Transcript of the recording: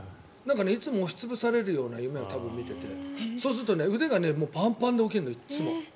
いつも押し潰されるような夢を見ていてそうすると腕がパンパンで起きるのいつも。